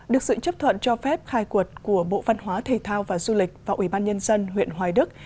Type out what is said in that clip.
được sự chấp thuận cho phép khai quật của bộ văn hóa thể thao và du lịch và ủy ban nhân dân huyện hoài đức